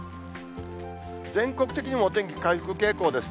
全国的にもお天気回復傾向ですね。